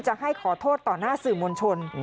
จะให้ขอโทษต่อหน้าสื่อมวลชน